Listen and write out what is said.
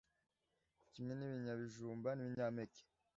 kimwe ni binyabijumba, nibinyampeke